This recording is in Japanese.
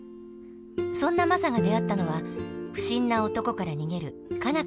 そんなマサが出会ったのは不審な男から逃げる佳奈